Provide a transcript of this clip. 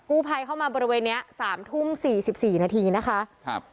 กู้ภัยเข้ามาบริเวณนี้๓ทุ่ม๔๔นาทีนะคะครับ